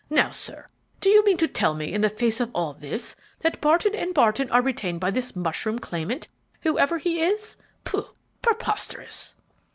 Now, sir, do you mean to tell me, in the face of all this, that Barton & Barton are retained by this mushroom claimant, whoever he is? Pooh! preposterous!"